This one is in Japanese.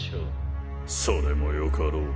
それもよかろう。